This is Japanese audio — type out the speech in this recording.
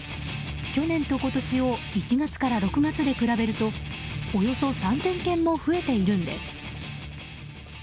去年と今年を１月から６月で比べるとおよそ３０００件も増えているんです。